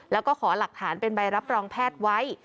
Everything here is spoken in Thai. แล้วก็ขอหลักฐานเป็นใบรับรองแพทย์ไว้